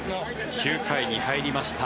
９回に入りました。